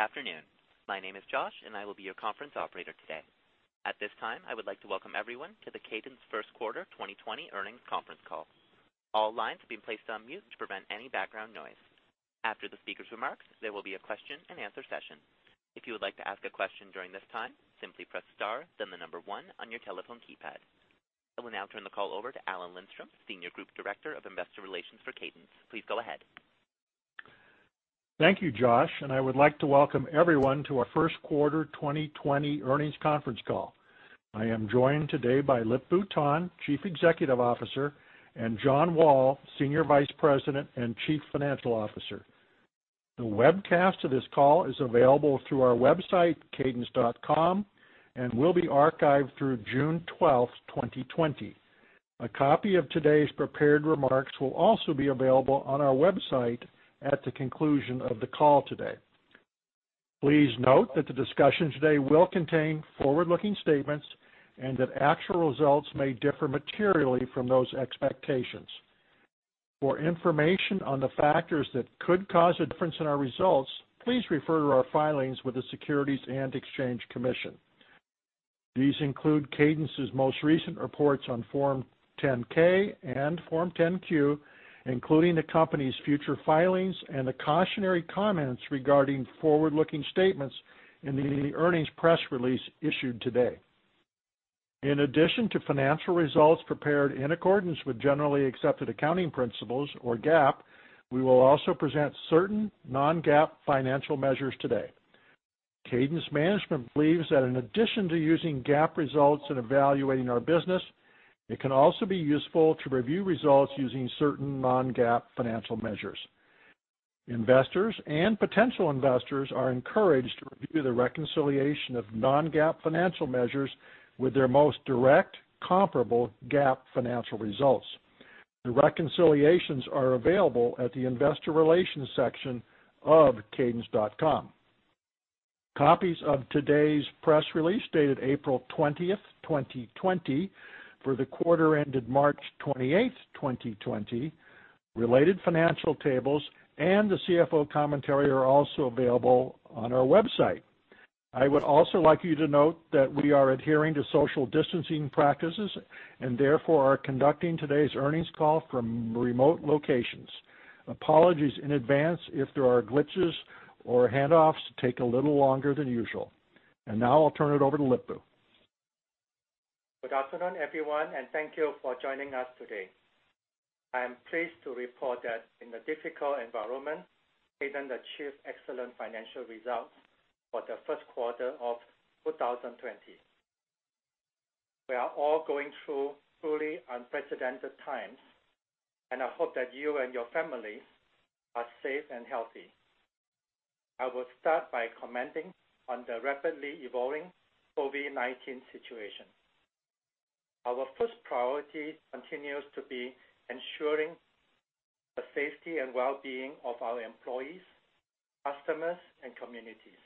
Afternoon. My name is Josh, and I will be your conference operator today. At this time, I would like to welcome everyone to the Cadence first quarter 2020 earnings conference call. All lines have been placed on mute to prevent any background noise. After the speaker's remarks, there will be a question-and-answer session. If you would like to ask a question during this time, simply press star then the number one on your telephone keypad. I will now turn the call over to Alan Lindstrom, Senior Group Director of Investor Relations for Cadence. Please go ahead. Thank you, Josh. I would like to welcome everyone to our first quarter 2020 earnings conference call. I am joined today by Lip-Bu Tan, Chief Executive Officer, and John Wall, Senior Vice President and Chief Financial Officer. The webcast of this call is available through our website, cadence.com, and will be archived through June 12th, 2020. A copy of today's prepared remarks will also be available on our website at the conclusion of the call today. Please note that the discussion today will contain forward-looking statements and that actual results may differ materially from those expectations. For information on the factors that could cause a difference in our results, please refer to our filings with the Securities and Exchange Commission. These include Cadence's most recent reports on Form 10-K and Form 10-Q, including the company's future filings and the cautionary comments regarding forward-looking statements in the earnings press release issued today. In addition to financial results prepared in accordance with generally accepted accounting principles or GAAP, we will also present certain non-GAAP financial measures today. Cadence management believes that, in addition to using GAAP results in evaluating our business, it can also be useful to review results using certain non-GAAP financial measures. Investors and potential investors are encouraged to review the reconciliation of non-GAAP financial measures with their most direct comparable GAAP financial results. The reconciliations are available at the investor relations section of cadence.com. Copies of today's press release, dated April 20th, 2020, for the quarter ended March 28th, 2020, related financial tables, and the CFO commentary are also available on our website. I would also like you to note that we are adhering to social distancing practices and therefore, are conducting today's earnings call from remote locations. Apologies in advance if there are glitches or handoffs take a little longer than usual. Now I'll turn it over to Lip-Bu. Good afternoon, everyone. Thank you for joining us today. I am pleased to report that in a difficult environment, Cadence achieved excellent financial results for the first quarter of 2020. We are all going through truly unprecedented times, and I hope that you and your families are safe and healthy. I will start by commenting on the rapidly evolving COVID-19 situation. Our first priority continues to be ensuring the safety and well-being of our employees, customers, and communities.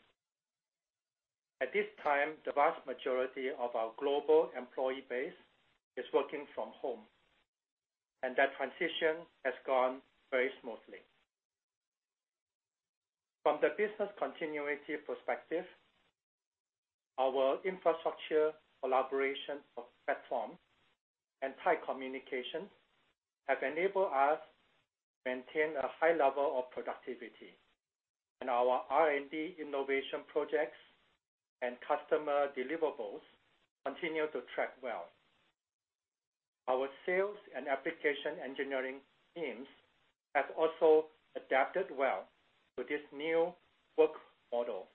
At this time, the vast majority of our global employee base is working from home, and that transition has gone very smoothly. From the business continuity perspective, our infrastructure collaboration platform and tight communication have enabled us maintain a high level of productivity, and our R&D innovation projects and customer deliverables continue to track well. Our sales and application engineering teams have also adapted well to this new work model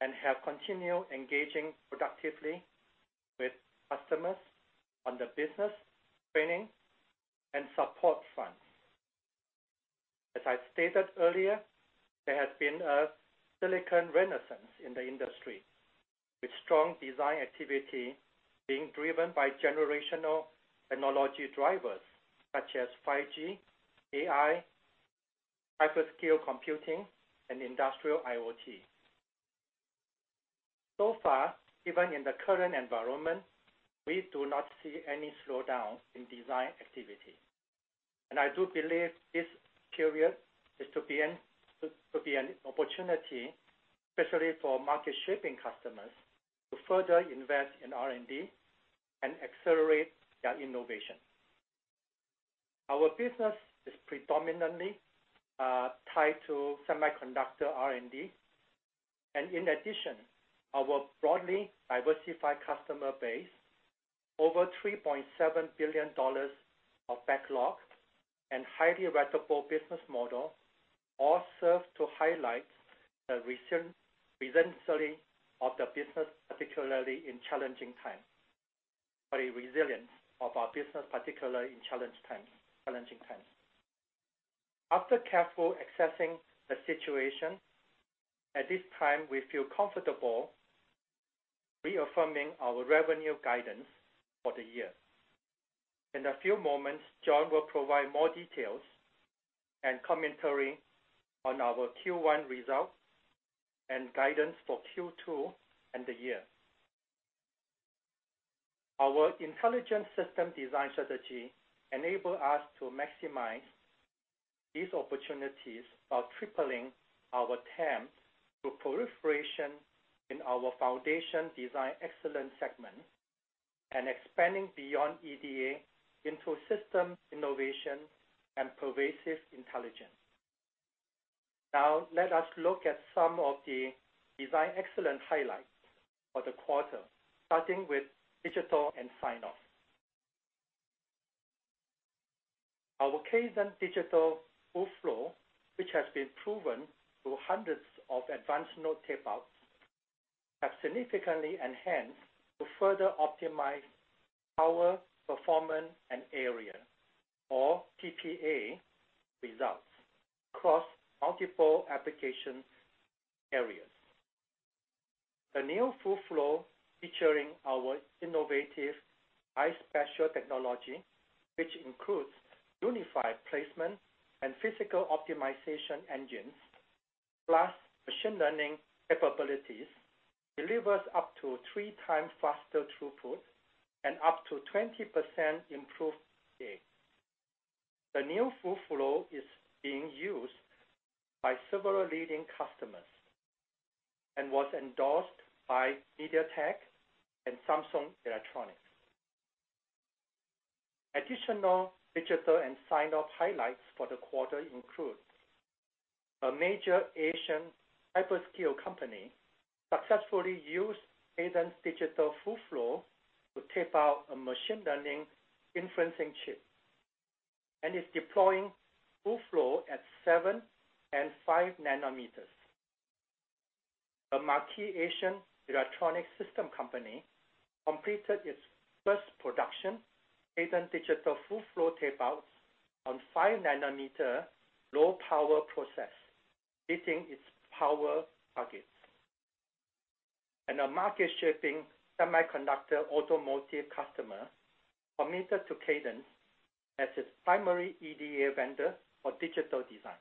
and have continued engaging productively with customers on the business, training, and support front. As I stated earlier, there has been a silicon renaissance in the industry, with strong design activity being driven by generational technology drivers such as 5G, AI, hyperscale computing, and industrial IoT. Even in the current environment, we do not see any slowdown in design activity. I do believe this period is to be an opportunity, especially for market-shaping customers, to further invest in R&D and accelerate their innovation. Our business is predominantly tied to semiconductor R&D. In addition, our broadly diversified customer base, over $3.7 billion of backlog, and highly reputable business model all serve to highlight the resiliency of the business, particularly in challenging times. After careful assessing the situation, at this time, we feel comfortable reaffirming our revenue guidance for the year. In a few moments, John will provide more details and commentary on our Q1 results and guidance for Q2 and the year. Our intelligent system design strategy enable us to maximize these opportunities while tripling our TAM through proliferation in our foundation design excellence segment, and expanding beyond EDA into system innovation and pervasive intelligence. Now, let us look at some of the design excellence highlights for the quarter, starting with digital and sign-off. Our Cadence Digital Full Flow, which has been proven through hundreds of advanced node tape-outs, have significantly enhanced to further optimize power, performance, and area, or PPA results, across multiple application areas. The new full flow featuring our innovative iSpatial technology, which includes unified placement and physical optimization engines, plus machine learning capabilities, delivers up to three times faster throughput and up to 20% improved PPA. The new full flow is being used by several leading customers and was endorsed by MediaTek and Samsung Electronics. Additional digital and sign-off highlights for the quarter include: a major Asian hyperscale company successfully used Cadence Digital Full Flow to tape out a machine learning inferencing chip and is deploying full flow at seven and five nanometers. A marquee Asian electronic system company completed its first production Cadence Digital Full Flow tape-outs on five nanometer low power process, beating its power targets. A market-shipping semiconductor automotive customer committed to Cadence as its primary EDA vendor for digital design.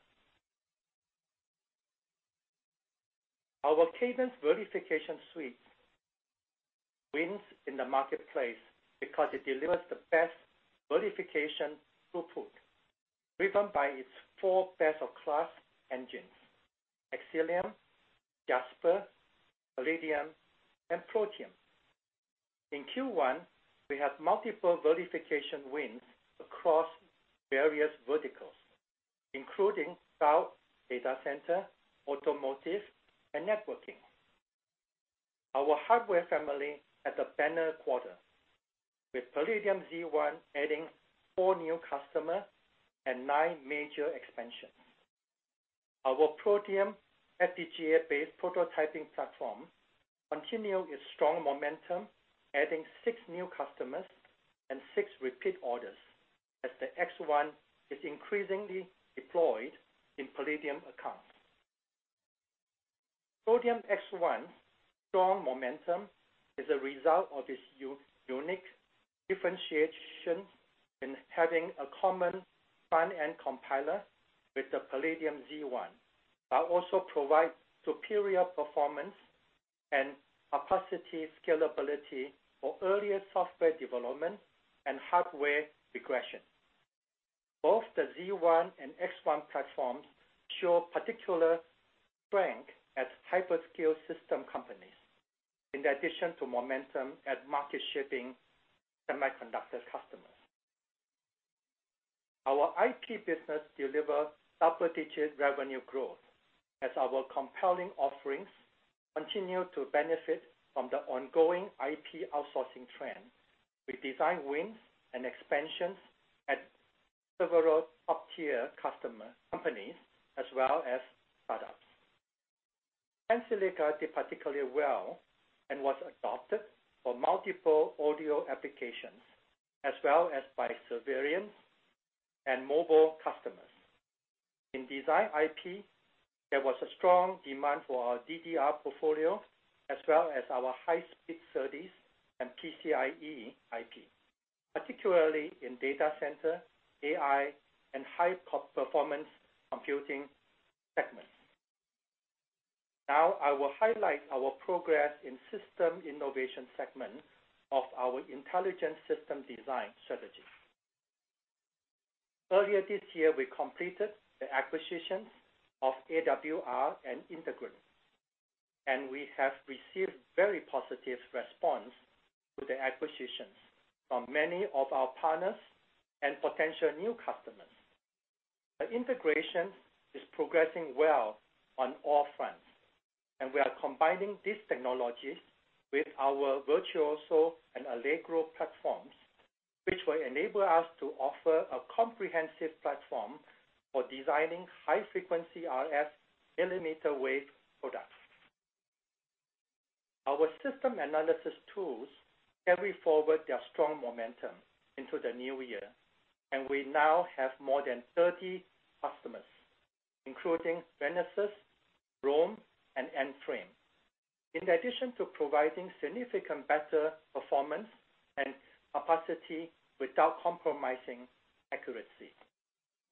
Our Cadence verification suite wins in the marketplace because it delivers the best verification throughput, driven by its four best-of-class engines: Xcelium, Jasper, Palladium, and Protium. In Q1, we had multiple verification wins across various verticals, including cloud data center, automotive, and networking. Our hardware family had a banner quarter, with Palladium Z1 adding four new customer and nine major expansions. Our Protium FPGA-based prototyping platform continue its strong momentum, adding six new customers and six repeat orders as the X1 is increasingly deployed in Palladium accounts. Protium X1's strong momentum is a result of its unique differentiation in having a common front-end compiler with the Palladium Z1, but also provides superior performance and capacity scalability for earlier software development and hardware regression. Both the Z1 and X1 platforms show particular strength at hyperscale system companies, in addition to momentum at market-shipping semiconductor customers. Our IP business delivered double-digit revenue growth as our compelling offerings continue to benefit from the ongoing IP outsourcing trend, with design wins and expansions at several top-tier companies as well as products. Tensilica did particularly well and was adopted for multiple audio applications as well as by and mobile customers. In design IP, there was a strong demand for our DDR portfolio as well as our high-speed SerDes and PCIe IP, particularly in data center, AI, and high-performance computing segments. I will highlight our progress in system innovation segment of our intelligent system design strategy. Earlier this year, we completed the acquisitions of AWR and Integrand, and we have received very positive response to the acquisitions from many of our partners and potential new customers. The integration is progressing well on all fronts, and we are combining these technologies with our Virtuoso and Allegro platforms, which will enable us to offer a comprehensive platform for designing high-frequency RF millimeter wave products. We now have more than 30 customers, including Renesas, ROHM, and End Frame. In addition to providing significant better performance and capacity without compromising accuracy.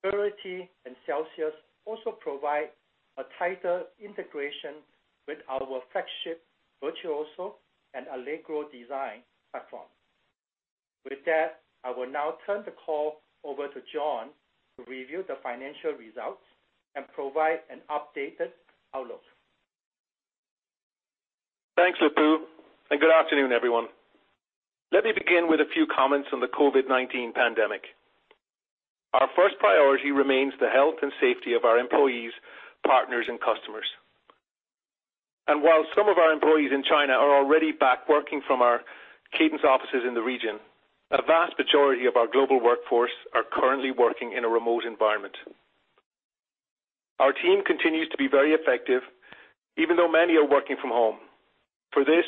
Clarity and Celsius also provide a tighter integration with our flagship Virtuoso and Allegro design platform. With that, I will now turn the call over to John to review the financial results and provide an updated outlook. Thanks, Lip-Bu. Good afternoon, everyone. Let me begin with a few comments on the COVID-19 pandemic. Our first priority remains the health and safety of our employees, partners, and customers. While some of our employees in China are already back working from our Cadence offices in the region, a vast majority of our global workforce are currently working in a remote environment. Our team continues to be very effective, even though many are working from home. For this,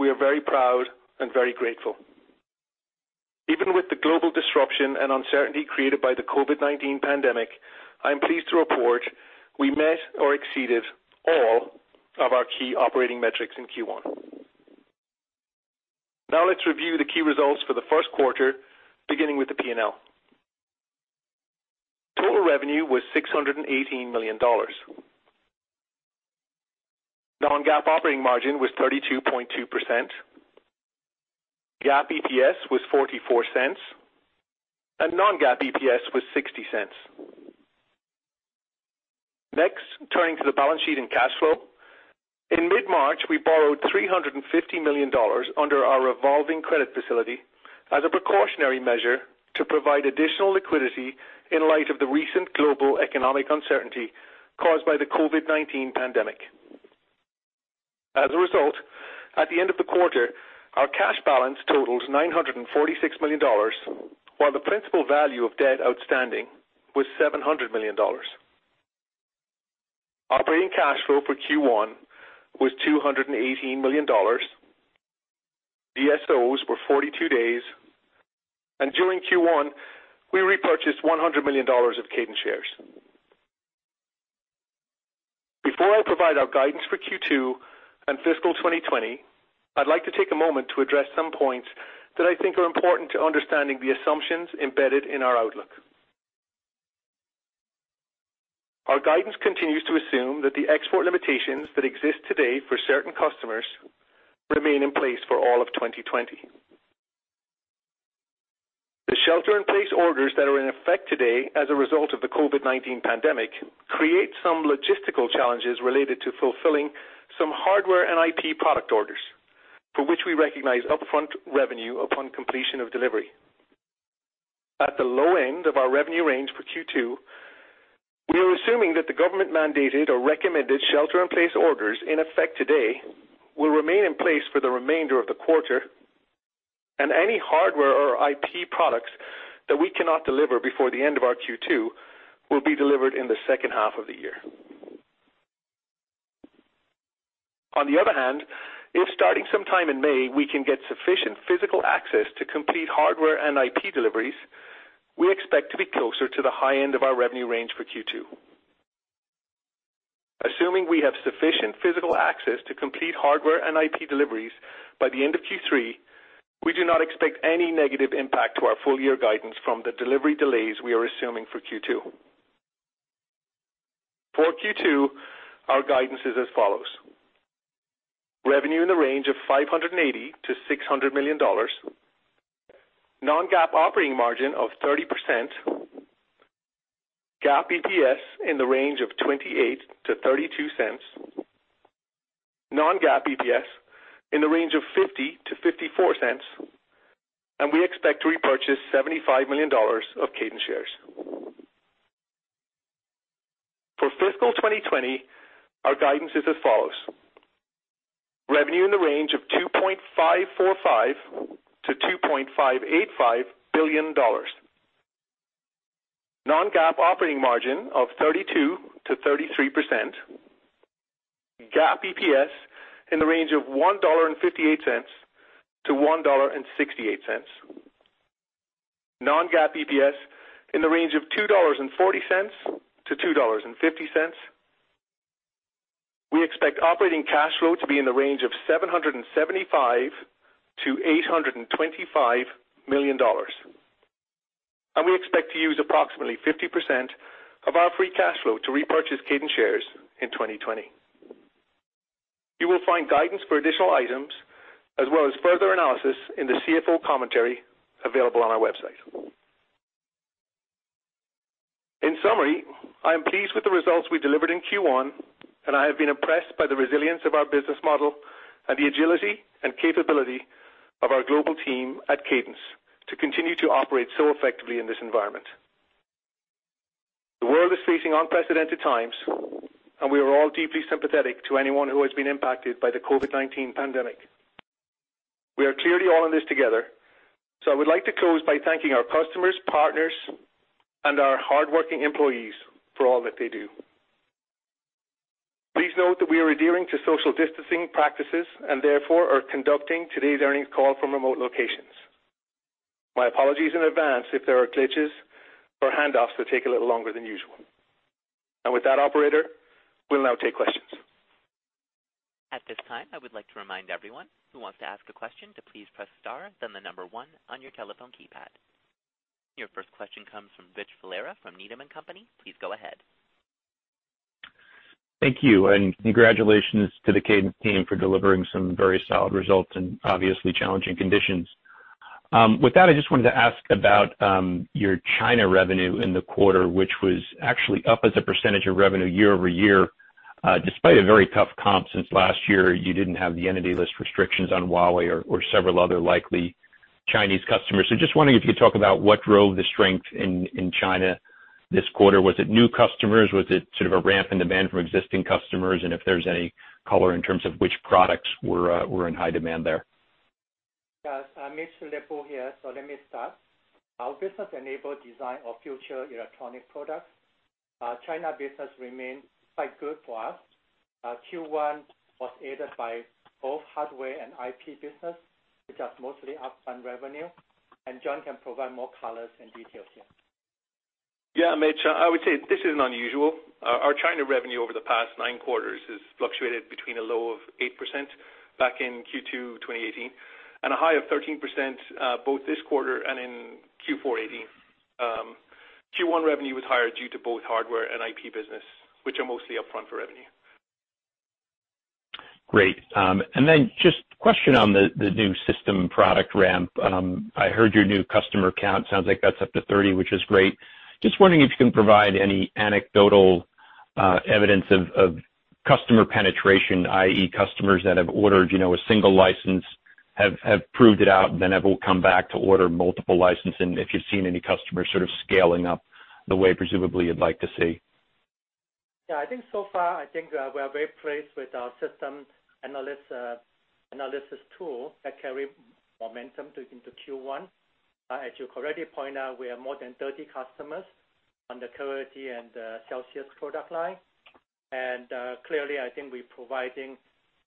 we are very proud and very grateful. Even with the global disruption and uncertainty created by the COVID-19 pandemic, I am pleased to report we met or exceeded all of our key operating metrics in Q1. Now let's review the key results for the first quarter, beginning with the P&L. Total revenue was $618 million. Non-GAAP operating margin was 32.2%. GAAP EPS was $0.44, and non-GAAP EPS was $0.60. Next, turning to the balance sheet and cash flow. In mid-March, we borrowed $350 million under our revolving credit facility as a precautionary measure to provide additional liquidity in light of the recent global economic uncertainty caused by the COVID-19 pandemic. As a result, at the end of the quarter, our cash balance totaled $946 million, while the principal value of debt outstanding was $700 million. Operating cash flow for Q1 was $218 million. DSO were 42 days, and during Q1, we repurchased $100 million of Cadence shares. Before I provide our guidance for Q2 and fiscal 2020, I'd like to take a moment to address some points that I think are important to understanding the assumptions embedded in our outlook. Our guidance continues to assume that the export limitations that exist today for certain customers remain in place for all of 2020. The shelter-in-place orders that are in effect today as a result of the COVID-19 pandemic create some logistical challenges related to fulfilling some hardware and IP product orders, for which we recognize upfront revenue upon completion of delivery. At the low end of our revenue range for Q2, we are assuming that the government-mandated or recommended shelter-in-place orders in effect today will remain in place for the remainder of the quarter, and any hardware or IP products that we cannot deliver before the end of our Q2 will be delivered in the second half of the year. On the other hand, if starting sometime in May, we can get sufficient physical access to complete hardware and IP deliveries, we expect to be closer to the high end of our revenue range for Q2. Assuming we have sufficient physical access to complete hardware and IP deliveries by the end of Q3, we do not expect any negative impact to our full year guidance from the delivery delays we are assuming for Q2. For Q2, our guidance is as follows. Revenue in the range of $580 million-$600 million. Non-GAAP operating margin of 30%. GAAP EPS in the range of $0.28-$0.32. Non-GAAP EPS in the range of $0.50-$0.54. We expect to repurchase $75 million of Cadence shares. For fiscal 2020, our guidance is as follows. Revenue in the range of $2.545 billion-$2.585 billion. Non-GAAP operating margin of 32%-33%. GAAP EPS in the range of $1.58-$1.68. Non-GAAP EPS in the range of $2.40-$2.50. We expect operating cash flow to be in the range of $775 million-$825 million. We expect to use approximately 50% of our free cash flow to repurchase Cadence shares in 2020. You will find guidance for additional items as well as further analysis in the CFO commentary available on our website. In summary, I am pleased with the results we delivered in Q1, and I have been impressed by the resilience of our business model and the agility and capability of our global team at Cadence to continue to operate so effectively in this environment. The world is facing unprecedented times, and we are all deeply sympathetic to anyone who has been impacted by the COVID-19 pandemic. We are clearly all in this together, so I would like to close by thanking our customers, partners, and our hardworking employees for all that they do. Please note that we are adhering to social distancing practices and, therefore, are conducting today's earnings call from remote locations. My apologies in advance if there are glitches or handoffs that take a little longer than usual. With that, operator, we'll now take questions. At this time, I would like to remind everyone who wants to ask a question to please press star, then the number one on your telephone keypad. Your first question comes from Rich Valera from Needham & Company. Please go ahead. Thank you. Congratulations to the Cadence team for delivering some very solid results in obviously challenging conditions. With that, I just wanted to ask about your China revenue in the quarter, which was actually up as a percentage of revenue year-over-year, despite a very tough comp since last year; you didn't have the entity list restrictions on Huawei or several other likely Chinese customers. Just wondering if you could talk about what drove the strength in China this quarter. Was it new customers? Was it sort of a ramp in demand from existing customers? If there's any color in terms of which products were in high demand, there. Yes. Lip-Bu Tan here. Let me start. Our business enable design of future electronic products. China business remains quite good for us. Q1 was aided by both hardware and IP business, which are mostly upfront revenue. John can provide more colors and details here. Yeah, Rich, I would say this isn't unusual. Our China revenue over the past nine quarters has fluctuated between a low of 8% back in Q2 2018 and a high of 13% both this quarter and in Q4 2018. Q1 revenue was higher due to both hardware and IP business, which are mostly upfront for revenue. Great. Just question on the new system product ramp. I heard your new customer count, sounds like that's up to 30, which is great. Just wondering if you can provide any anecdotal evidence of customer penetration, i.e., customers that have ordered a single license, have proved it out, and then have come back to order multiple license, and if you've seen any customers sort of scaling up the way presumably you'd like to see. Yeah, I think so far, we are very pleased with our system analysis tool that carry momentum into Q1. As you correctly point out, we are more than 30 customers on the Clarity and Celsius product line. Clearly, I think we're providing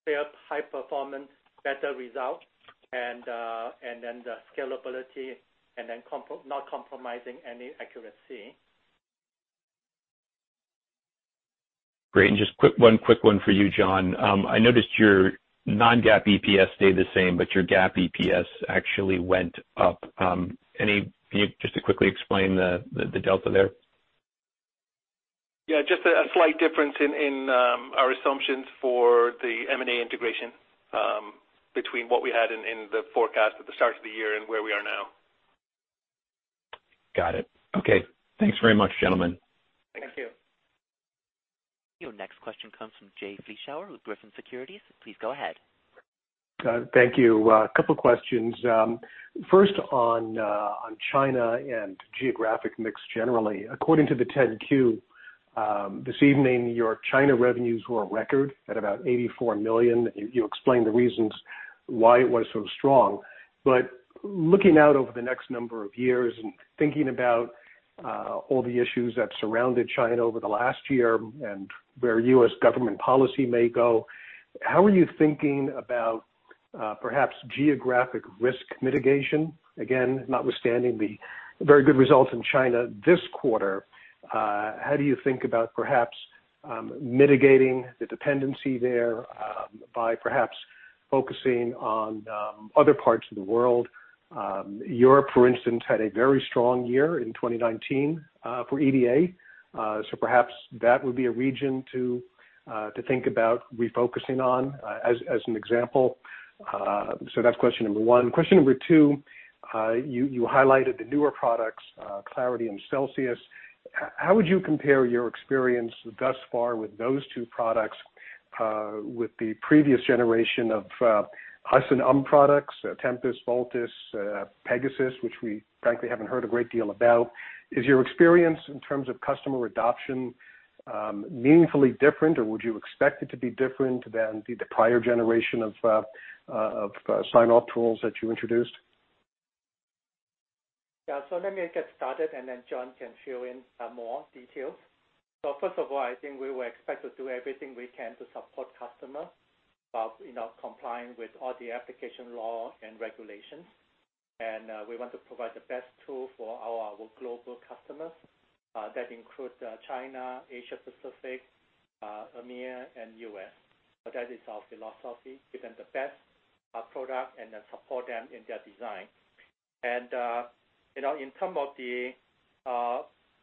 fair, high-performance, better results, and then the scalability and then not compromising any accuracy. Great. Just one quick one for you, John. I noticed your non-GAAP EPS stayed the same, but your GAAP EPS actually went up. Can you just quickly explain the delta there? Just a slight difference in our assumptions for the M&A integration between what we had in the forecast at the start of the year and where we are now. Got it. Okay. Thanks very much, gentlemen. Thank you. Thank you. Your next question comes from Jay Vleeschhouwer with Griffin Securities. Please go ahead. Thank you. A couple questions. First on China and geographic mix generally. According to the 10-Q this evening, your China revenues were a record at about $84 million, and you explained the reasons why it was so strong. Looking out over the next number of years and thinking about all the issues that surrounded China over the last year and where U.S. government policy may go, how are you thinking about perhaps geographic risk mitigation? Again, notwithstanding the very good results in China this quarter, how do you think about perhaps mitigating the dependency there by perhaps focusing on other parts of the world? Europe, for instance, had a very strong year in 2019 for EDA. Perhaps that would be a region to think about refocusing on, as an example. That's question number one. Question number two, you highlighted the newer products, Clarity and Celsius. How would you compare your experience thus far with those two products with the previous generation of products, Tempus, Voltus, Pegasus, which we frankly haven't heard a great deal about. Is your experience in terms of customer adoption meaningfully different, or would you expect it to be different than the prior generation of sign-off tools that you introduced? Let me get started, and then John can fill in some more details. First of all, I think we will expect to do everything we can to support customers, complying with all the application law and regulations. We want to provide the best tool for our global customers. That includes China, Asia-Pacific, EMEA, and U.S. That is our philosophy: give them the best product and then support them in their design. In terms of the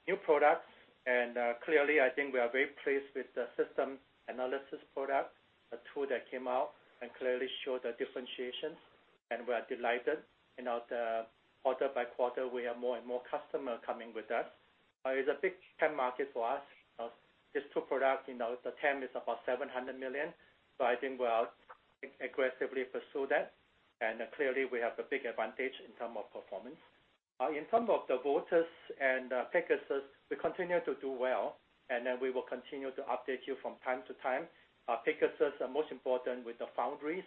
new products, and clearly, I think we are very pleased with the system analysis product, a tool that came out and clearly showed the differentiations, and we are delighted. Quarter by quarter, we have more and more customer coming with us. It's a big TAM market for us. These two product, the TAM is about $700 million. I think we'll aggressively pursue that. Clearly, we have the big advantage in terms of performance. In terms of the Voltus and Pegasus, we continue to do well, we will continue to update you from time to time. Pegasus is most important with the foundries.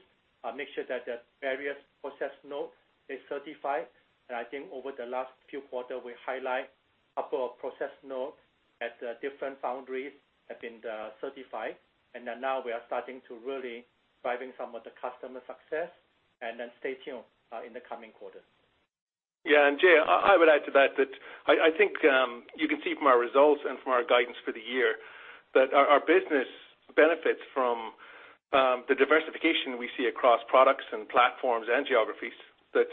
Make sure that the various process node is certified. I think over the last few quarters, we highlighted a couple of process nodes at different foundries have been certified. Now we are starting to really drive some of the customer success, stay tuned in the coming quarter. Yeah. Jay, I would add to that, I think you can see from our results and from our guidance for the year that our business benefits from the diversification we see across products and platforms and geographies. That,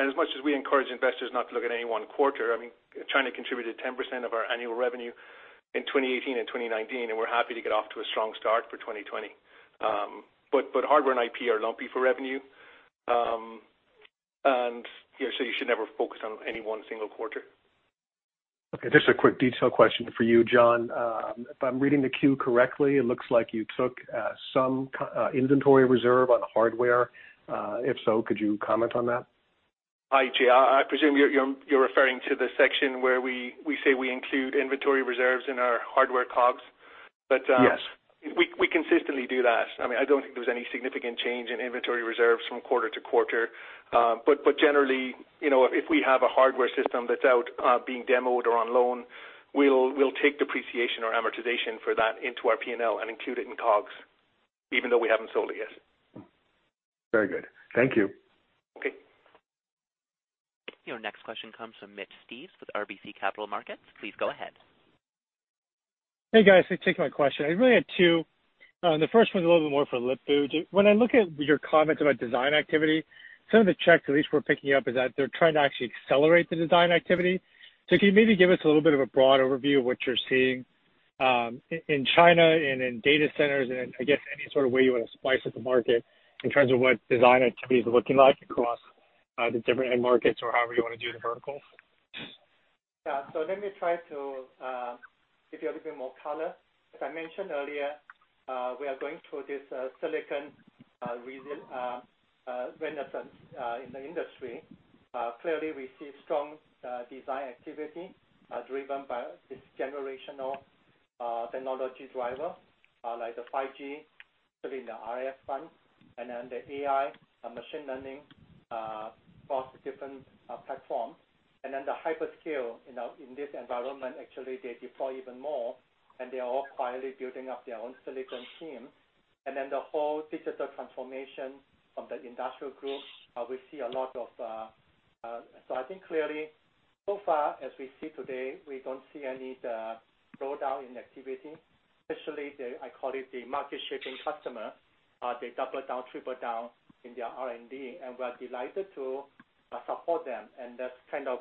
as much as we encourage investors not to look at any one quarter, China contributed 10% of our annual revenue in 2018 and 2019, and we're happy to get off to a strong start for 2020. Hardware and IP are lumpy for revenue. Yeah, you should never focus on any one single quarter. Okay, just a quick detail question for you, John. If I'm reading the 10-Q correctly, it looks like you took some inventory reserve on hardware. If so, could you comment on that? Hi, Jay. I presume you're referring to the section where we say we include inventory reserves in our hardware COGS. Yes We consistently do that. I don't think there was any significant change in inventory reserves from quarter to quarter. Generally, if we have a hardware system that's out being demoed or on loan, we'll take depreciation or amortization for that into our P&L and include it in COGS, even though we haven't sold it yet. Very good. Thank you. Okay. Your next question comes from Mitch Steves with RBC Capital Markets. Please go ahead. Hey, guys. Thanks for taking my question. I really had two. The first one's a little bit more for Lip-Bu. When I look at your comments about design activity, some of the checks at least we're picking up is that they're trying to actually accelerate the design activity. Can you maybe give us a little bit of a broad overview of what you're seeing in China and in data centers and, I guess, any sort of way you want to slice up the market in terms of what design activity is looking like across the different end markets, or however you want to do the verticals? Yeah. Let me try to give you a little bit more color. As I mentioned earlier, we are going through this silicon renaissance in the industry. Clearly, we see strong design activity driven by this generational technology driver, like the 5G, certainly in the RF front, and then the AI and machine learning across different platforms. The hyperscale in this environment, actually, they deploy even more, and they are all quietly building up their own silicon team. The whole digital transformation of the industrial group, I think clearly, so far as we see today, we don't see any slowdown in activity, especially the, I call it the market-shaping customer. They double down, triple down in their R&D, and we're delighted to support them. That's kind of,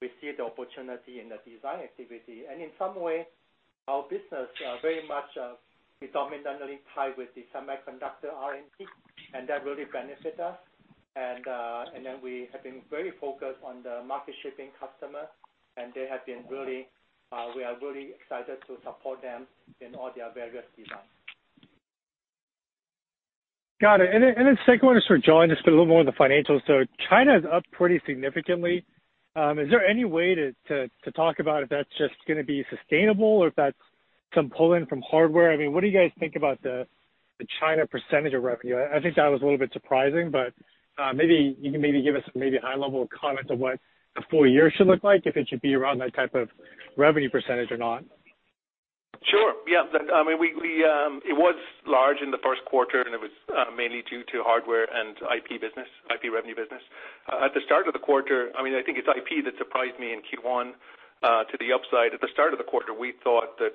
we see the opportunity in the design activity. In some ways, our business very much is dominantly tied with the semiconductor R&D, and that really benefit us. We have been very focused on the market-shaping customer, and they have been really excited to support them in all their various designs. Got it. The second one is for John, just a little more on the financials. China is up pretty significantly. Is there any way to talk about if that's just going to be sustainable or if that's some pull-in from hardware? What do you guys think about the China percentage of revenue? I think that was a little bit surprising, but maybe you can maybe give us maybe a high-level comment on what the full year should look like, if it should be around that type of revenue percentage or not. Sure. Yeah. It was large in the first quarter, and it was mainly due to hardware and IP business, IP revenue business. At the start of the quarter, I think it's IP that surprised me in Q1 to the upside. At the start of the quarter, we thought that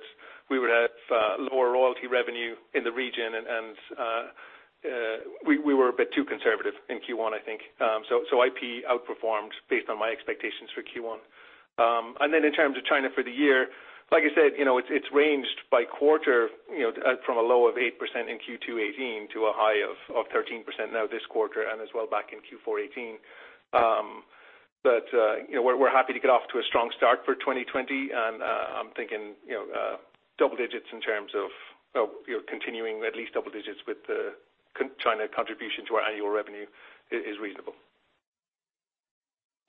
we would have lower royalty revenue in the region, and we were a bit too conservative in Q1, I think. IP outperformed based on my expectations for Q1. In terms of China for the year, like I said, it's ranged by quarter, from a low of 8% in Q2 2018 to a high of 13% now this quarter and as well back in Q4 2018. We're happy to get off to a strong start for 2020, and I'm thinking double digits in terms of continuing at least double digits, with the China contribution to our annual revenue is reasonable.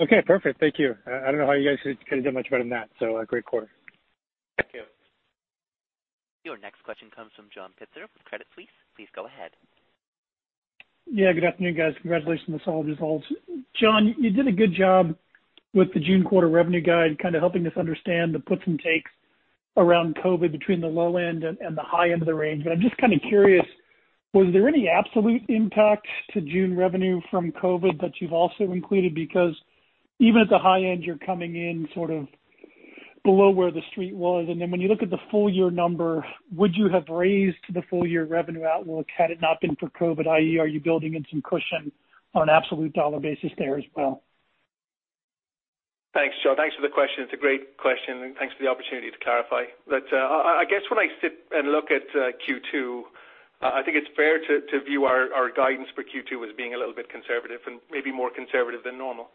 Okay, perfect. Thank you. I don't know how you guys could have done much better than that. A great quarter. Thank you. Your next question comes from John Pitzer with Credit Suisse. Please go ahead. Yeah, good afternoon, guys. Congratulations on the solid results. John, you did a good job with the June quarter revenue guide, kind of helping us understand the puts and takes around COVID between the low end and the high end of the range. I'm just kind of curious, was there any absolute impact to June revenue from COVID that you've also included? Even at the high end, you're coming in sort of below where the Street was. When you look at the full-year number, would you have raised the full-year revenue outlook had it not been for COVID, i.e., are you building in some cushion on an absolute dollar basis there as well? Thanks, John. Thanks for the question. It's a great question, and thanks for the opportunity to clarify. I guess when I sit and look at Q2, I think it's fair to view our guidance for Q2 as being a little bit conservative and maybe more conservative than normal.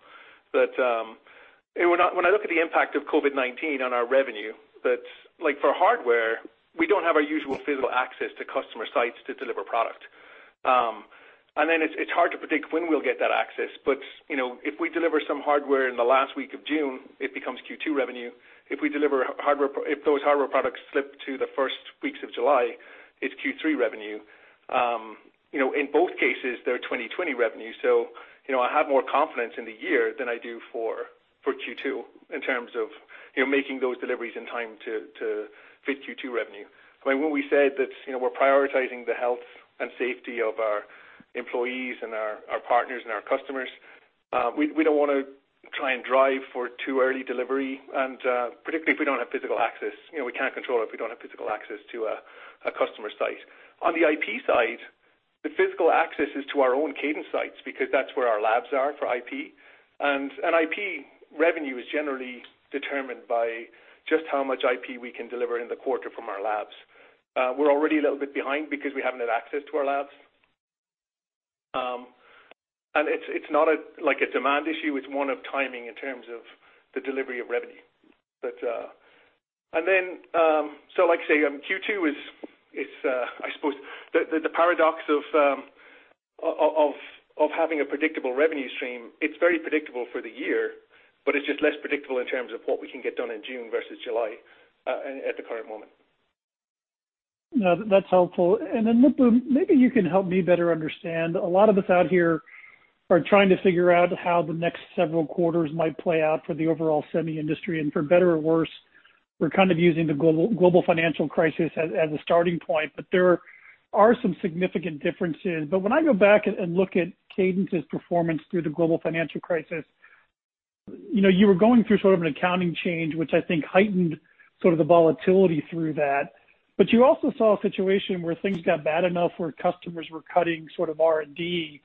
When I look at the impact of COVID-19 on our revenue, that like for hardware, we don't have our usual physical access to customer sites to deliver product. It's hard to predict when we'll get that access. If we deliver some hardware in the last week of June, it becomes Q2 revenue. If those hardware products slip to the first weeks of July, it's Q3 revenue. In both cases, they're 2020 revenue. I have more confidence in the year than I do for Q2 in terms of making those deliveries in time to fit Q2 revenue. When we said that we're prioritizing the health and safety of our employees and our partners, and our customers, we don't want to try and drive for too early delivery, and particularly if we don't have physical access. We can't control it if we don't have physical access to a customer site. On the IP side, the physical access is to our own Cadence sites, because that's where our labs are for IP. IP revenue is generally determined by just how much IP we can deliver in the quarter from our labs. We're already a little bit behind because we haven't had access to our labs. It's not like a demand issue; it's one of timing in terms of the delivery of revenue. Like I say, Q2 is, I suppose, the paradox of having a predictable revenue stream. It's very predictable for the year, but it's just less predictable in terms of what we can get done in June versus July at the current moment. No, that's helpful. Lip-Bu, maybe you can help me better understand. A lot of us out here are trying to figure out how the next several quarters might play out for the overall semi industry, and for better or worse, we're kind of using the global financial crisis as a starting point. There are some significant differences. When I go back and look at Cadence's performance through the global financial crisis, you were going through sort of an accounting change, which I think heightened sort of the volatility through that. You also saw a situation where things got bad enough where customers were cutting sort of R&D.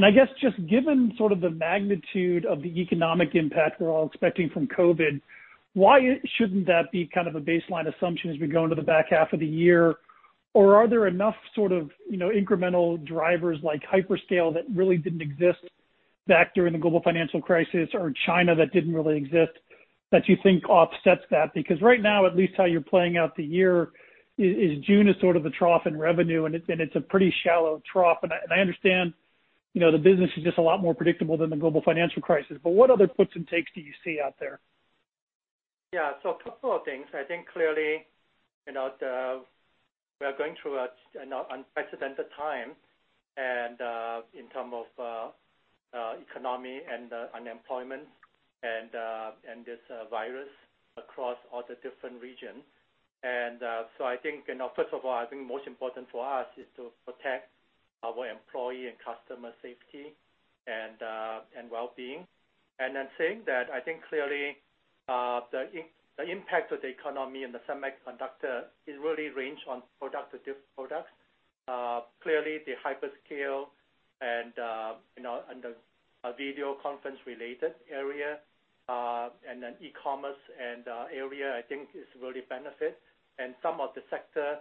I guess, just given sort of the magnitude of the economic impact we're all expecting from COVID, why shouldn't that be kind of a baseline assumption as we go into the back half of the year? Are there enough sort of incremental drivers like hyperscale that really didn't exist back during the global financial crisis, or China that didn't really exist, that you think offsets that? Right now, at least, how you're playing out the year is June is sort of the trough in revenue, and it's a pretty shallow trough. I understand the business is just a lot more predictable than the global financial crisis, what other puts and takes do you see out there? Yeah. A couple of things. I think clearly, we are going through an unprecedented time and in term of economy and unemployment, and this virus across all the different regions. I think first of all, I think most important for us is to protect our employee and customers' safety and well-being. Saying that, I think clearly, the impact of the economy and the semiconductor is really range on product to different products. Clearly, the hyperscale and the video conference related area, and then e-commerce area, I think is really benefit. Some of the sector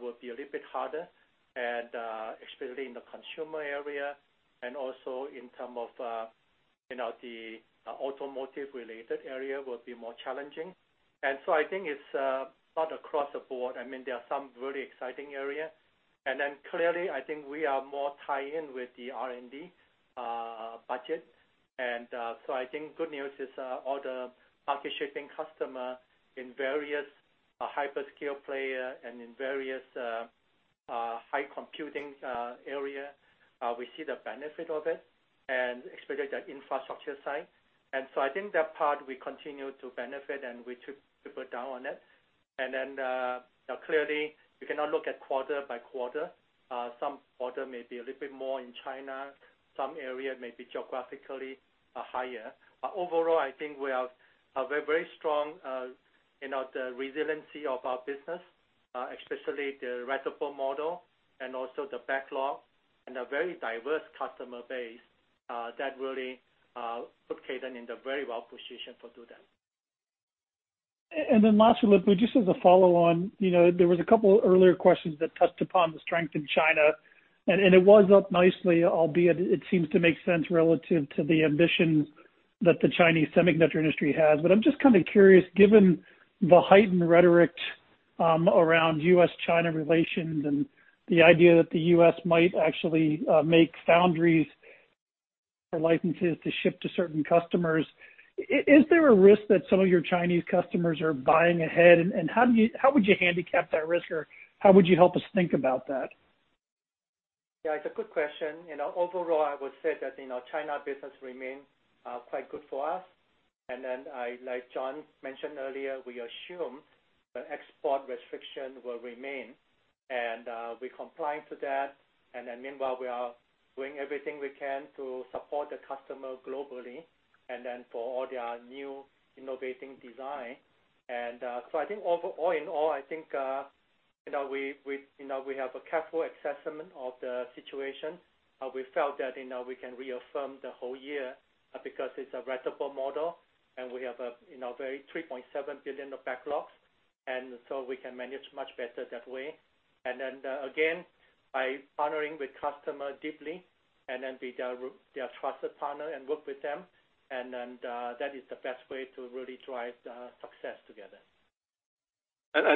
will be a little bit harder and especially in the consumer area, and also in term of the automotive-related area will be more challenging. I think it's not across the board. There are some really exciting area. Clearly, I think we are more tie in with the R&D budget. I think good news is all the market shaping customer in various hyperscale player and in various high computing area, we see the benefit of it and especially the infrastructure side. I think that part we continue to benefit and we should double down on it. Clearly, we cannot look at quarter by quarter. Some quarter may be a little bit more in China, some area may be geographically higher. Overall, I think we have a very strong resiliency of our business, especially the ratable model and also the backlog and a very diverse customer base, that really put Cadence in the very well position to do that. Lastly, Lip-Bu, just as a follow on, there was a couple earlier questions that touched upon the strength in China, and it was up nicely, albeit it seems to make sense relative to the ambition that the Chinese semiconductor industry has. I'm just kind of curious, given the heightened rhetoric around U.S.-China relations and the idea that the U.S. might actually make foundries or licenses to ship to certain customers, is there a risk that some of your Chinese customers are buying ahead? How would you handicap that risk, or how would you help us think about that? Yeah, it's a good question. Overall, I would say that China business remain quite good for us. Like John mentioned earlier, we assume the export restriction will remain, and we comply to that. Meanwhile, we are doing everything we can to support the customer globally and then for all their new innovating design. I think all in all, I think we have a careful assessment of the situation. We felt that we can reaffirm the whole year because it's a ratable model and we have a very $3.7 billion of backlogs, and so we can manage much better that way. Again, by partnering with customer deeply and then be their trusted partner and work with them, and then that is the best way to really drive success together.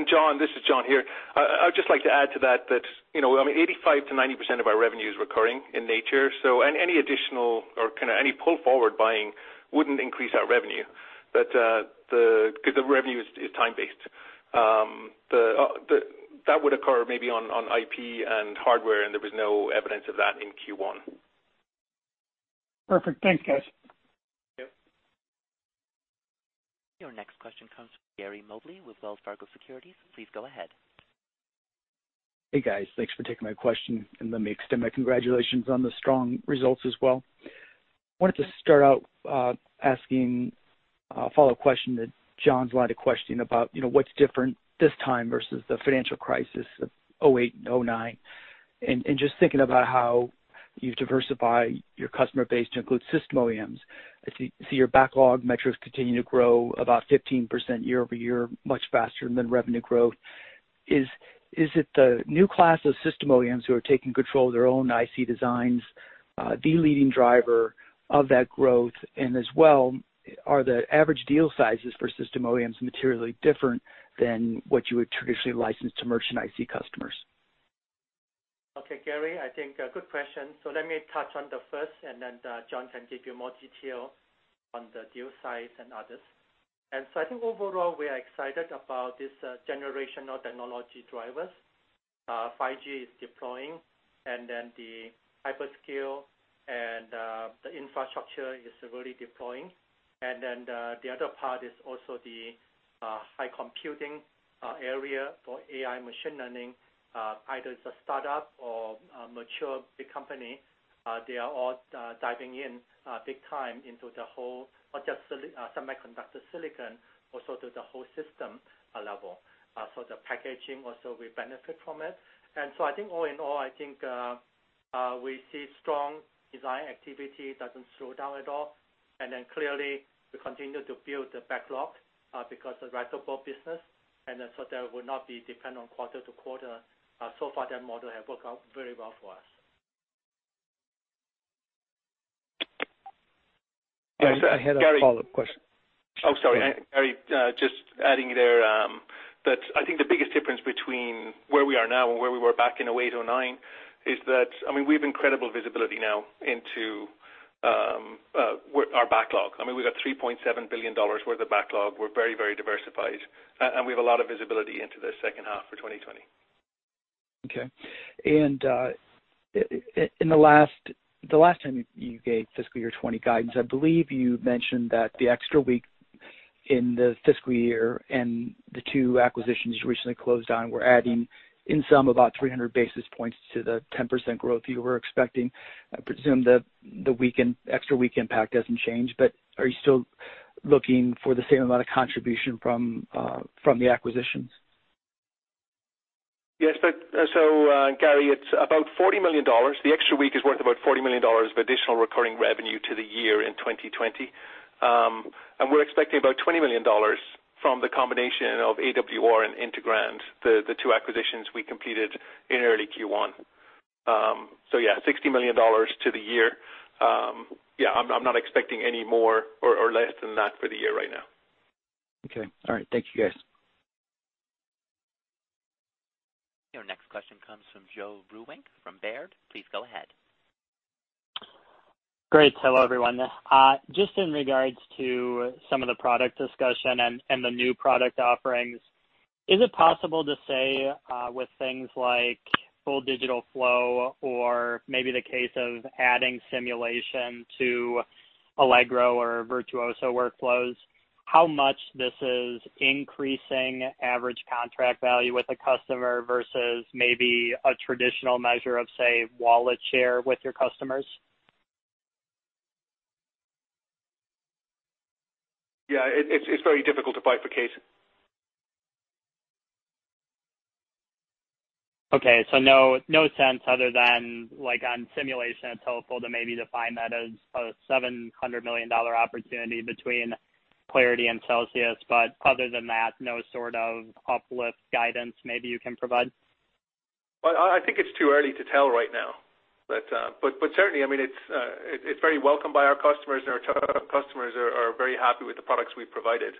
John, this is John here. I would just like to add to that 85%-90% of our revenue is recurring in nature, so any additional or any pull-forward buying wouldn't increase our revenue because the revenue is time-based. That would occur maybe on IP and hardware, and there was no evidence of that in Q1. Perfect. Thanks, guys. Thank you. Your next question comes from Gary Mobley with Wells Fargo Securities. Please go ahead. Hey, guys. Thanks for taking my question. Let me extend my congratulations on the strong results as well. Wanted to start out asking a follow question to John's line of questioning about what's different this time versus the financial crisis of 2008 and 2009. Just thinking about how you diversify your customer base to include system OEMs. I see your backlog metrics continue to grow about 15% year-over-year, much faster than revenue growth. Is it the new class of system OEMs who are taking control of their own IC designs, the leading driver of that growth? As well, are the average deal sizes for system OEMs materially different than what you would traditionally license to merchant IC customers? Okay, Gary, I think a good question. Let me touch on the first, and then John can give you more detail on the deal size and others. I think overall, we are excited about this generational technology drivers. 5G is deploying, and then the hyperscale and the infrastructure is really deploying. The other part is also the high computing area for AI machine learning. Either it's a startup or a mature big company, they are all diving in big time into the whole, not just semiconductor silicon, also to the whole system level. The packaging also will benefit from it. I think all in all, I think we see strong design activity, doesn't slow down at all. Clearly, we continue to build the backlog because of ratable business, and so that would not be dependent on quarter to quarter. Far that model have worked out very well for us. Yes. I had a follow-up question. Oh, sorry. Gary, just adding there, that I think the biggest difference between where we are now and where we were back in 2008, 2009, is that we have incredible visibility now into our backlog. We got $3.7 billion worth of backlog. We're very diversified, and we have a lot of visibility into the second half for 2020. Okay. The last time you gave fiscal year 2020 guidance, I believe you mentioned that the extra week in the fiscal year and the two acquisitions you recently closed on were adding in sum about 300 basis points to the 10% growth you were expecting. I presume the extra week impact doesn't change, but are you still looking for the same amount of contribution from the acquisitions? Yes, Gary, it's about $40 million. The extra week is worth about $40 million of additional recurring revenue to the year in 2020. We're expecting about $20 million from the combination of AWR and Integrand, the two acquisitions we completed in early Q1. Yeah, $60 million to the year. I'm not expecting any more or less than that for the year right now. Okay. All right. Thank you, guys. Your next question comes from Joe Vruwink from Baird. Please go ahead. Great. Hello, everyone. Just in regards to some of the product discussion and the new product offerings, is it possible to say, with things like Digital Full Flow or maybe the case of adding simulation to Allegro or Virtuoso workflows, how much this is increasing average contract value with a customer versus maybe a traditional measure of, say, wallet share with your customers? It's very difficult to bifurcate. Okay. No sense other than, like on simulation, it's helpful to maybe define that as a $700 million opportunity between Clarity and Celsius. Other than that, no sort of uplift guidance maybe you can provide? Well, I think it's too early to tell right now. Certainly, it's very welcome by our customers, and our customers are very happy with the products we've provided.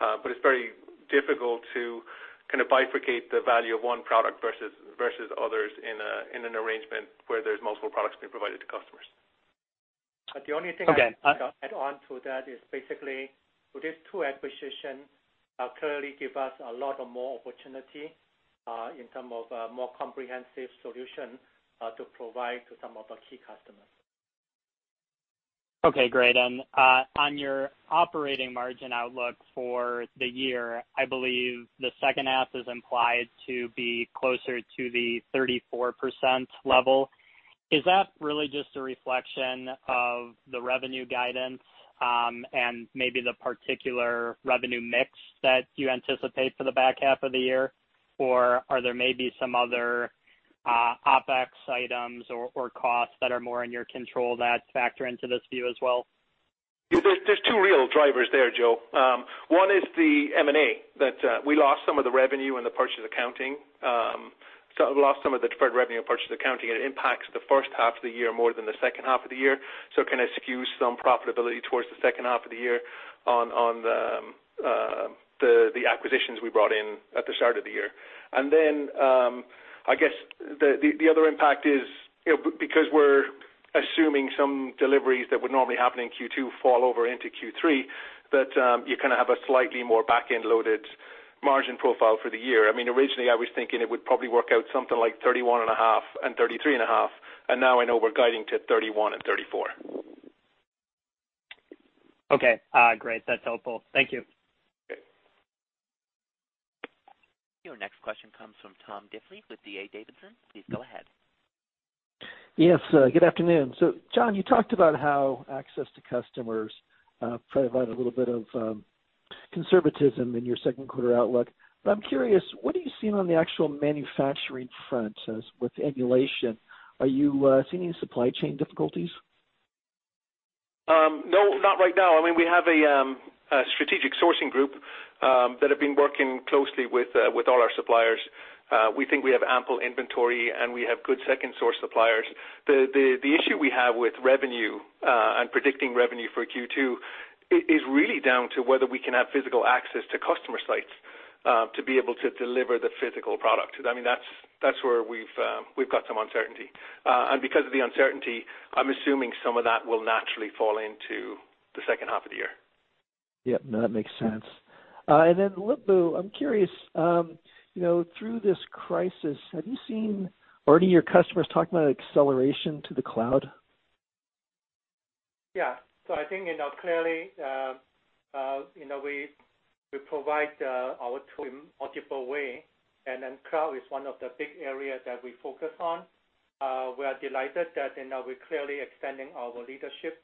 It's very difficult to kind of bifurcate the value of one product versus others in an arrangement where there's multiple products being provided to customers. Okay. The only thing I can add on to that is basically, with these two acquisitions, clearly give us a lot of more opportunity, in terms of more comprehensive solution, to provide to some of our key customers. Okay, great. On your operating margin outlook for the year, I believe the second half is implied to be closer to the 34% level. Is that really just a reflection of the revenue guidance, and maybe the particular revenue mix that you anticipate for the back half of the year? Are there maybe some other OpEx items or costs that are more in your control that factor into this view as well? There's two real drivers there, Joe. One is the M&A that we lost some of the revenue in the purchase accounting. Lost some of the deferred revenue in purchase accounting, and it impacts the first half of the year more than the second half of the year. It can skew some profitability towards the second half of the year on the acquisitions we brought in at the start of the year. I guess the other impact is because we're assuming some deliveries that would normally happen in Q2 fall over into Q3, that you kind of have a slightly more back-end loaded margin profile for the year. Originally, I was thinking it would probably work out something like 31.5% and 33.5%, and now I know we're guiding to 31% and 34%. Okay. Great. That's helpful. Thank you. Okay. Your next question comes from Tom Diffely with D.A. Davidson. Please go ahead. Yes. Good afternoon. John, you talked about how access to customers provide a little bit of conservatism in your second quarter outlook, but I'm curious, what are you seeing on the actual manufacturing front as with emulation? Are you seeing any supply chain difficulties? No, not right now. We have a strategic sourcing group that have been working closely with all our suppliers. We think we have ample inventory and we have good second-source suppliers. The issue we have with revenue and predicting revenue for Q2 is really down to whether we can have physical access to customer sites to be able to deliver the physical product. That's where we've got some uncertainty. Because of the uncertainty, I'm assuming some of that will naturally fall into the second half of the year. Yep. No, that makes sense. Lip-Bu, I'm curious, through this crisis, have you seen already your customers talking about acceleration to the cloud? I think clearly we provide our tool in multiple way. Cloud is one of the big areas that we focus on. We are delighted that we're clearly extending our leadership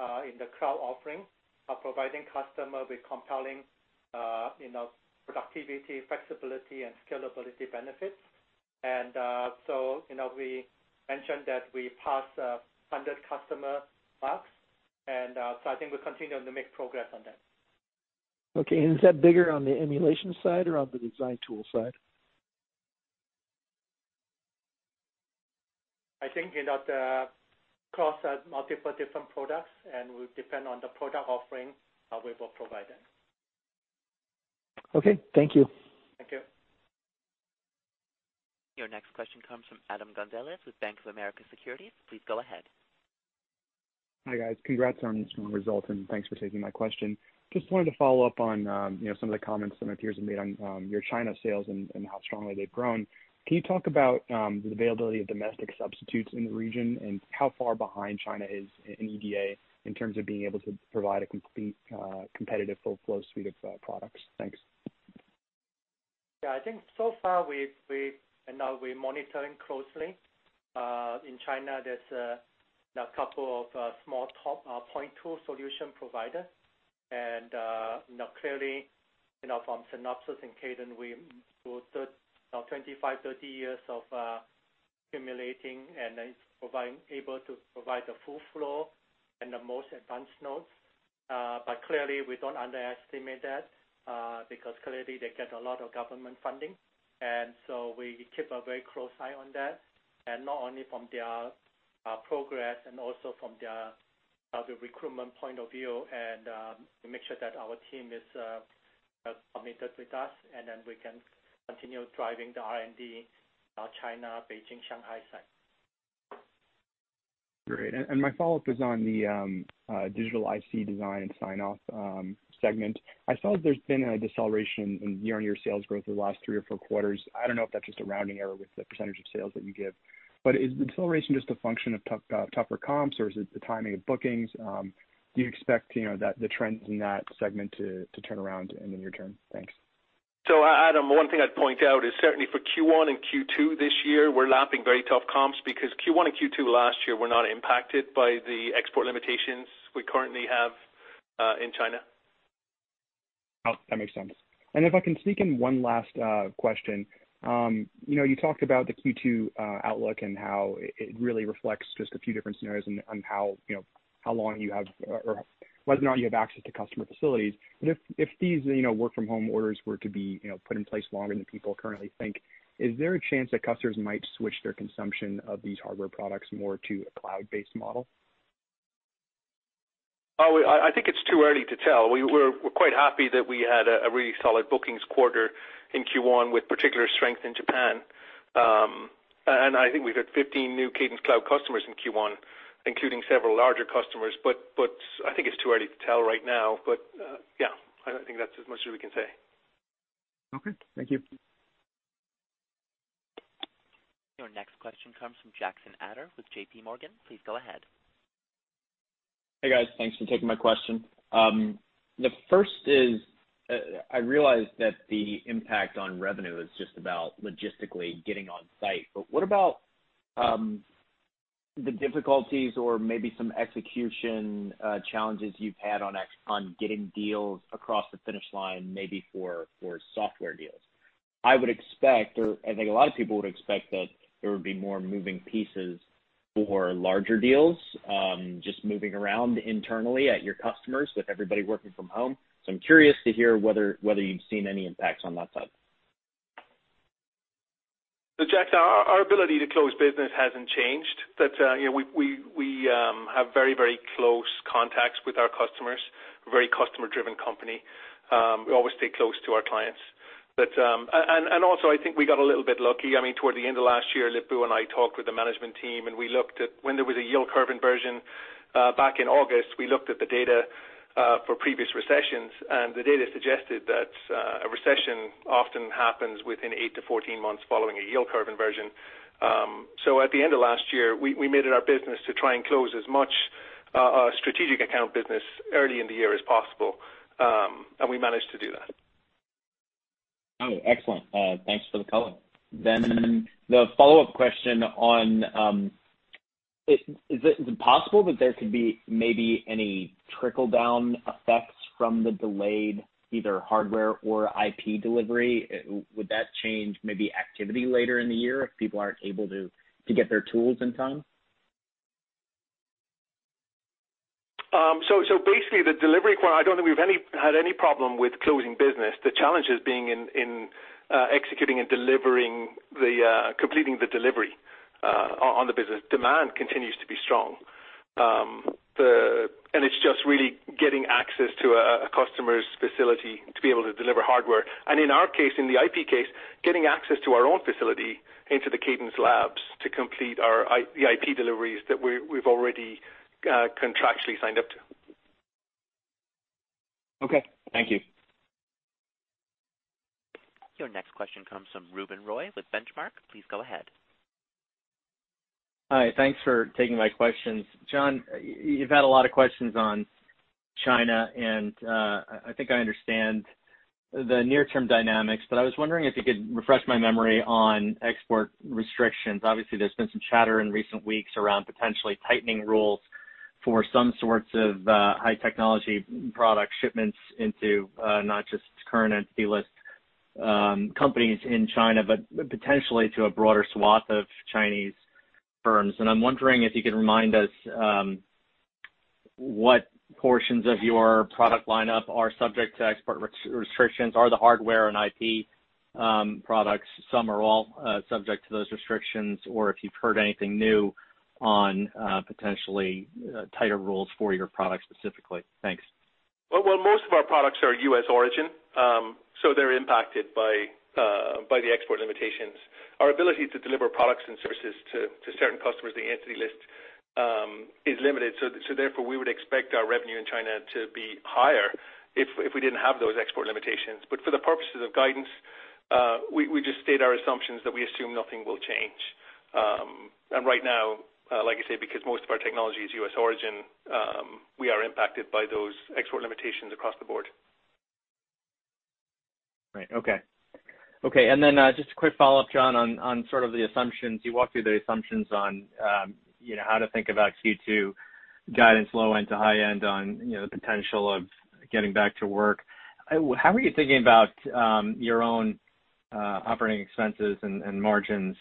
in the cloud offering, providing customer with compelling productivity, flexibility, and scalability benefits. We mentioned that we passed 100 customer marks. I think we're continuing to make progress on that. Okay. Is that bigger on the emulation side or on the design tool side? I think across multiple different products, and will depend on the product offering we will provide them. Okay. Thank you. Thank you. Your next question comes from Adam Gonzalez with Bank of America Securities. Please go ahead. Hi, guys. Congrats on the strong results. Thanks for taking my question. Just wanted to follow up on some of the comments some of my peers have made on your China sales and how strongly they've grown. Can you talk about the availability of domestic substitutes in the region and how far behind China is in EDA in terms of being able to provide a complete, competitive full flow suite of products? Thanks. Yeah, I think so far we're monitoring closely. In China, there's a couple of small top point tool solution provider, and clearly, from Synopsys and Cadence, we built 25, 30 years of accumulating and then able to provide the full flow and the most advanced nodes. Clearly, we don't underestimate that, because clearly, they get a lot of government funding. We keep a very close eye on that, and not only from their progress and also from their recruitment point of view and make sure that our team is committed with us, and then we can continue driving the R&D China, Beijing, Shanghai side. Great. My follow-up is on the digital IC design and sign-off segment. I saw that there's been a deceleration in year-on-year sales growth over the last three or four quarters. I don't know if that's just a rounding error with the percentage of sales that you give. Is the deceleration just a function of tougher comps, or is it the timing of bookings? Do you expect the trends in that segment to turn around in the near term? Thanks. Adam, one thing I'd point out is certainly for Q1 and Q2 this year, we're lapping very tough comps because Q1 and Q2 last year were not impacted by the export limitations we currently have in China. Oh, that makes sense. If I can sneak in one last question. You talked about the Q2 outlook and how it really reflects just a few different scenarios on whether or not you have access to customer facilities. If these work-from-home orders were to be put in place longer than people currently think, is there a chance that customers might switch their consumption of these hardware products more to a cloud-based model? I think it's too early to tell. We're quite happy that we had a really solid bookings quarter in Q1 with particular strength in Japan. I think we've had 15 new Cadence OnCloud customers in Q1, including several larger customers, but I think it's too early to tell right now. Yeah, I think that's as much as we can say. Okay. Thank you. Your next question comes from Jackson Ader with JPMorgan. Please go ahead. Hey, guys. Thanks for taking my question. The first is, I realize that the impact on revenue is just about logistically getting on site, but what about the difficulties or maybe some execution challenges you've had on getting deals across the finish line, maybe for software deals? I would expect, or I think a lot of people would expect, that there would be more moving pieces for larger deals, just moving around internally at your customers, with everybody working from home. I'm curious to hear whether you've seen any impacts on that side. Jack, our ability to close business hasn't changed. We have very close contacts with our customers. We're a very customer-driven company. We always stay close to our clients. Also, I think we got a little bit lucky. Toward the end of last year, Lip-Bu and I talked with the management team, and when there was a yield curve inversion back in August, we looked at the data for previous recessions, and the data suggested that a recession often happens within 8-14 months following a yield curve inversion. At the end of last year, we made it our business to try and close as much strategic account business early in the year as possible, and we managed to do that. Oh, excellent. Thanks for the color. Is it possible that there could be maybe any trickle-down effects from the delayed either hardware or IP delivery? Would that change maybe activity later in the year if people aren't able to get their tools in time? Basically, the delivery part, I don't think we've had any problem with closing business. The challenge is being in executing and completing the delivery on the business. Demand continues to be strong. It's just really getting access to a customer's facility to be able to deliver hardware. In our case, in the IP case, getting access to our own facility into the Cadence labs to complete the IP deliveries that we've already contractually signed up to. Okay. Thank you. Your next question comes from Ruben Roy with Benchmark. Please go ahead. Hi, thanks for taking my questions. John, you've had a lot of questions on China. I think I understand the near-term dynamics. I was wondering if you could refresh my memory on export restrictions. Obviously, there's been some chatter in recent weeks around potentially tightening rules for some sorts of high technology product shipments into, not just current entity list companies in China, but potentially to a broader swath of Chinese firms. I'm wondering if you could remind us what portions of your product lineup are subject to export restrictions. Are the hardware and IP products, some or all, subject to those restrictions? If you've heard anything new on potentially tighter rules for your products specifically. Thanks. Well, most of our products are U.S.-origin, so they're impacted by the export limitations. Our ability to deliver products and services to certain customers, the entity list, is limited. Therefore, we would expect our revenue in China to be higher if we didn't have those export limitations. For the purposes of guidance, we just state our assumptions that we assume nothing will change. Right now, like I say, because most of our technology is U.S.-origin, we are impacted by those export limitations across the board. Right. Okay. Just a quick follow-up, John, on sort of the assumptions. You walked through the assumptions on how to think about Q2 guidance, low-end to high-end on the potential of getting back to work. How are you thinking about your own operating expenses and margins?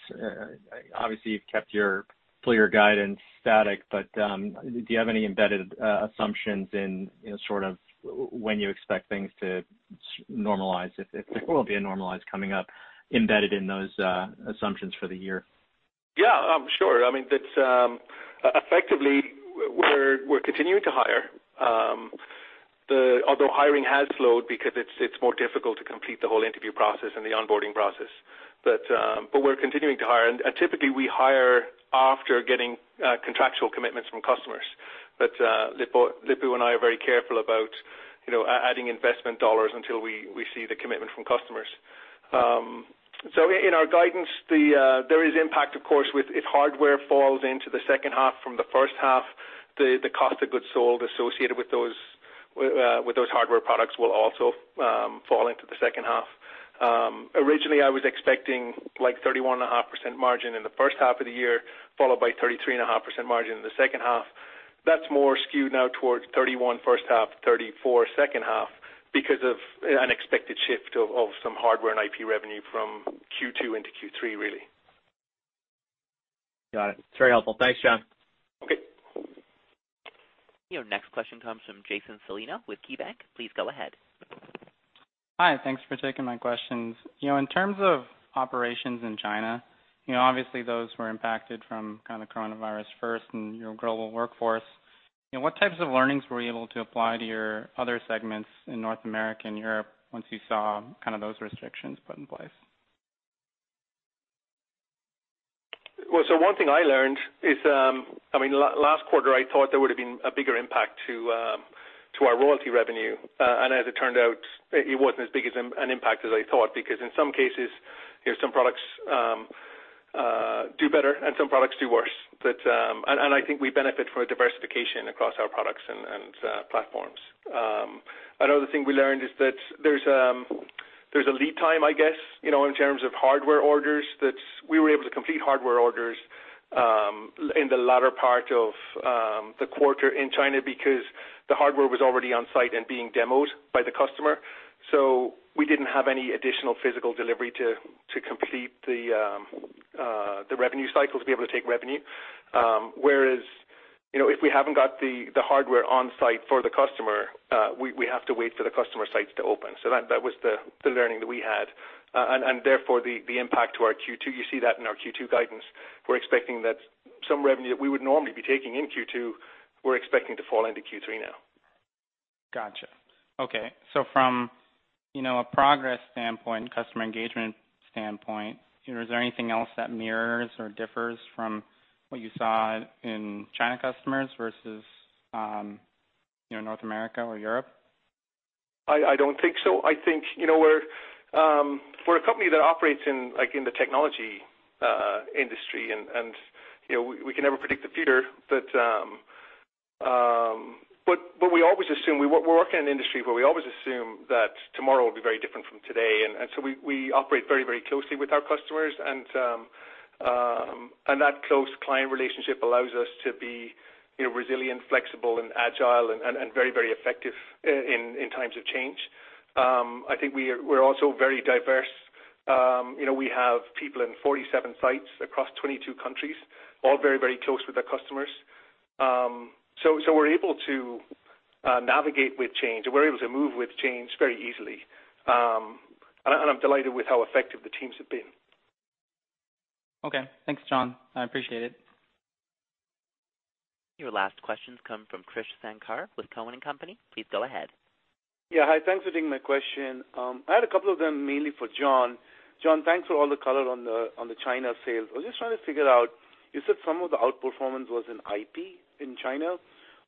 Obviously, you've kept your full-year guidance static. Do you have any embedded assumptions in sort of when you expect things to normalize, if there will be a normalize coming up embedded in those assumptions for the year? Yeah. Sure. I mean, effectively, we're continuing to hire. Although hiring has slowed because it's more difficult to complete the whole interview process and the onboarding process. We're continuing to hire, and typically, we hire after getting contractual commitments from customers. Lip-Bu and I are very careful about adding investment dollars until we see the commitment from customers. In our guidance, there is impact, of course, if hardware falls into the second half from the first half, the cost of goods sold associated with those hardware products will also fall into the second half. Originally, I was expecting 31.5% margin in the first half of the year, followed by 33.5% margin in the second half. That's more skewed now towards 31 first half, 34 second half because of an expected shift of some hardware and IP revenue from Q2 into Q3, really. Got it. It's very helpful. Thanks, John. Okay. Your next question comes from Jason Celino with KeyBanc. Please go ahead. Hi, thanks for taking my questions. In terms of operations in China, obviously, those were impacted from kind of coronavirus first and your global workforce. What types of learnings were you able to apply to your other segments in North America and Europe once you saw kind of those restrictions put in place? Well, one thing I learned is, last quarter, I thought there would've been a bigger impact to our royalty revenue. As it turned out, it wasn't as big an impact as I thought because in some cases, some products do better and some products do worse. I think we benefit from a diversification across our products and platforms. Another thing we learned is that there's a lead time, I guess, in terms of hardware orders that we were able to complete hardware orders in the latter part of the quarter in China because the hardware was already on site and being demoed by the customer. We didn't have any additional physical delivery to complete the revenue cycle to be able to take revenue. Whereas, if we haven't got the hardware on site for the customer, we have to wait for the customer sites to open. That was the learning that we had. Therefore, the impact to our Q2, you see that in our Q2 guidance. We're expecting that some revenue that we would normally be taking in Q2 we're expecting to fall into Q3 now. Got you. Okay. From a progress standpoint, customer engagement standpoint, is there anything else that mirrors or differs from what you saw in China customers versus North America or Europe? I don't think so. I think we're a company that operates in the technology industry, we can never predict the future, we work in an industry where we always assume that tomorrow will be very different from today. We operate very closely with our customers, and that close client relationship allows us to be resilient, flexible, and agile and very effective in times of change. I think we're also very diverse. We have people in 47 sites across 22 countries, all very close with their customers. We're able to navigate with change, and we're able to move with change very easily. I'm delighted with how effective the teams have been. Okay. Thanks, John. I appreciate it. Your last questions come from Krish Sankar with Cowen and Company. Please go ahead. Hi. Thanks for taking my question. I had a couple of them, mainly for John. John, thanks for all the color on the China sales. I was just trying to figure out, you said some of the outperformance was in IP in China.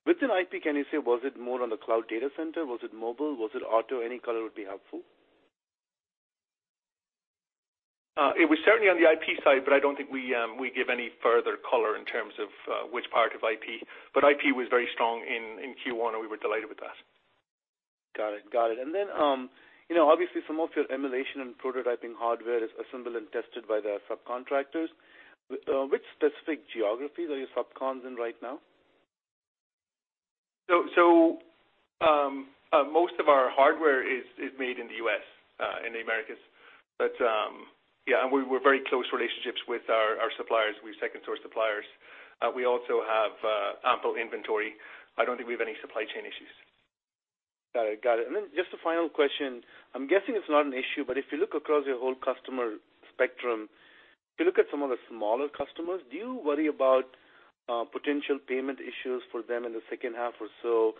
Within IP, can you say, was it more on the cloud data center? Was it mobile? Was it auto? Any color would be helpful. It was certainly on the IP side, but I don't think we give any further color in terms of which part of IP. IP was very strong in Q1, and we were delighted with that. Got it. Obviously, some of your emulation and prototyping hardware is assembled and tested by the subcontractors. Which specific geographies are your sub-cons in right now? Most of our hardware is made in the U.S., in the Americas. Yeah, we've very close relationships with our suppliers. We second-source suppliers. We also have ample inventory. I don't think we have any supply chain issues. Got it. Just a final question. I'm guessing it's not an issue. If you look across your whole customer spectrum, if you look at some of the smaller customers, do you worry about potential payment issues for them in the second half or so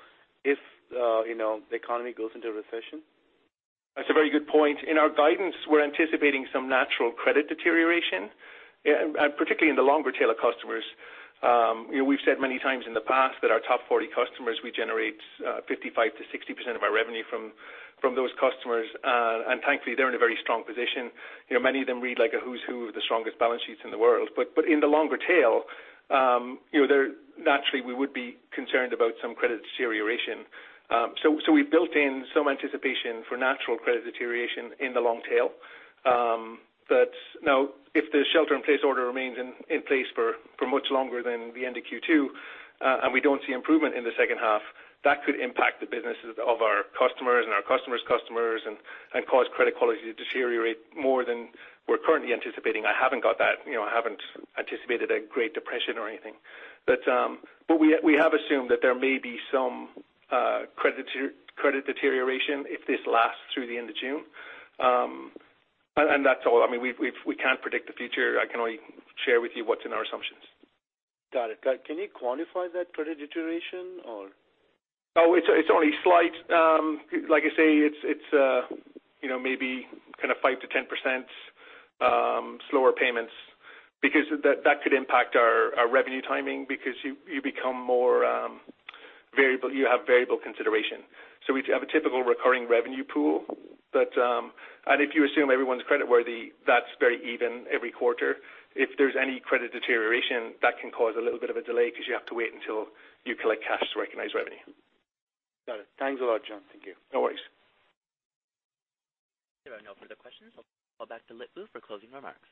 if the economy goes into a recession? That's a very good point. In our guidance, we're anticipating some natural credit deterioration, particularly in the longer tail of customers. We've said many times in the past that our top 40 customers, we generate 55%-60% of our revenue from those customers. Thankfully, they're in a very strong position. Many of them read like a who's who of the strongest balance sheets in the world. In the longer tail, naturally, we would be concerned about some credit deterioration. We've built in some anticipation for natural credit deterioration in the long tail. Now, if the shelter-in-place order remains in place for much longer than the end of Q2, and we don't see improvement in the second half, that could impact the businesses of our customers and our customers' customers and cause credit quality to deteriorate more than we're currently anticipating. I haven't anticipated a Great Depression or anything. We have assumed that there may be some credit deterioration if this lasts through the end of June. That's all. We can't predict the future. I can only share with you what's in our assumptions. Got it. Can you quantify that credit deterioration or? It's only slight. It's maybe kind of 5%-10% slower payments, because that could impact our revenue timing because you become more variable. You have variable consideration. We have a typical recurring revenue pool. If you assume everyone's creditworthy, that's very even every quarter. If there's any credit deterioration, that can cause a little bit of a delay because you have to wait until you collect cash to recognize revenue. Got it. Thanks a lot, John. Thank you. No worries. There are no further questions. I'll go back to Lip-Bu for closing remarks.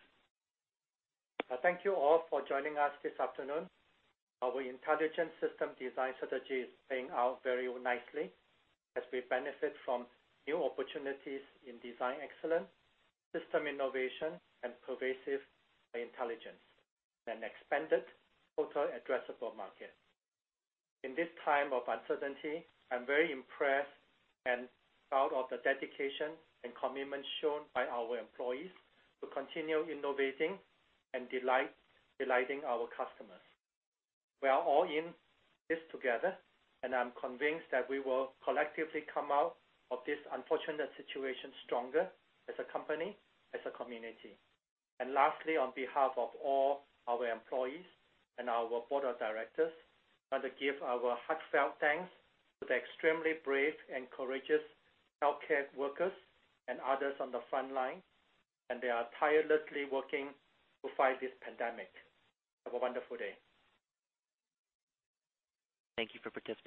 Thank you all for joining us this afternoon. Our intelligent system design strategy is playing out very nicely as we benefit from new opportunities in design excellence, system innovation, and pervasive intelligence, and expanded total addressable market. In this time of uncertainty, I'm very impressed and proud of the dedication and commitment shown by our employees to continue innovating and delighting our customers. We are all in this together, and I'm convinced that we will collectively come out of this unfortunate situation stronger as a company, as a community. Lastly, on behalf of all our employees and our board of directors, I want to give our heartfelt thanks to the extremely brave and courageous healthcare workers and others on the front line, and they are tirelessly working to fight this pandemic. Have a wonderful day. Thank you for participating.